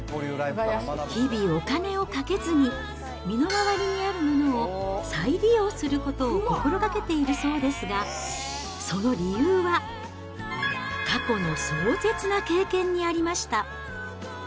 日々、お金をかけずに、身の回りにあるものを再利用することを心がけているそうですが、その理由は、過去の壮絶な経験にありました。